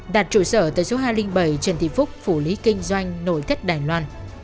đặt trụ sở tại số hai trăm linh bảy trần thị phúc phủ lý kinh doanh nội thất đài loan